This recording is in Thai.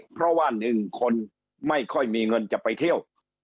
เพราะว่า๑คนไม่ค่อยมีเงินจะไปเที่ยว